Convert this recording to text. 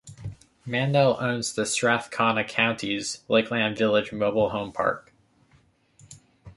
Mandel owns the Strathcona County's Lakeland Village mobile home park.